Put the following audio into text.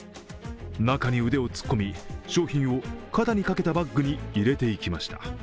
中に腕を突っ込み、商品を肩にかけたバッグに入れていきました。